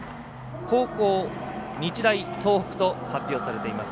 後攻、日大東北と発表されています。